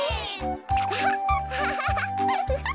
アハハハハハハ。